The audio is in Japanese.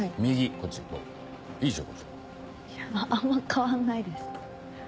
いやあんま変わんないです。